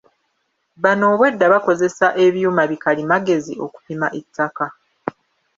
Bano obwedda bakozesa ebyuma bikalimagezi okupima ettaka.